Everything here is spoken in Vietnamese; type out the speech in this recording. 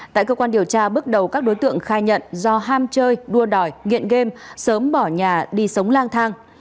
tại cơ quan điều tra bước đầu các đối tượng khai nhận do ham chơi đua đòi nghiện game sớm bỏ nhà đi sống lang thang